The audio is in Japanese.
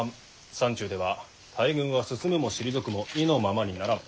山中では大軍は進むも退くも意のままにならん。